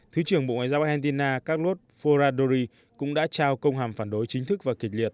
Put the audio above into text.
thứ trưởng bộ ngoại giao argentina carlos forradori cũng đã trao công hàm phản đối chính thức và kịch liệt